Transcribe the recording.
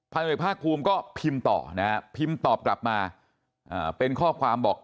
ภาคภูมิก็พิมพ์ต่อนะฮะพิมพ์ตอบกลับมาเป็นข้อความบอก